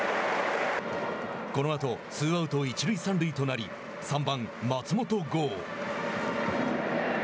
このあと、ツーアウト一塁三塁となり、３番松本剛。